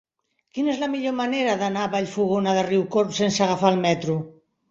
Quina és la millor manera d'anar a Vallfogona de Riucorb sense agafar el metro?